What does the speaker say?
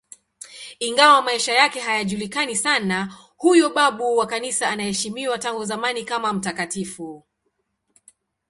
Ingawa maisha yake hayajulikani sana, huyo babu wa Kanisa anaheshimiwa tangu zamani kama mtakatifu.